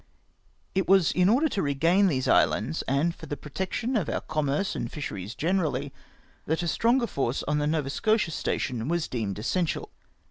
It was in order to regain these islands, and for the protection of our commerce and fisheries generally, that a stronger force on the Nova Scotia station was deemed essential.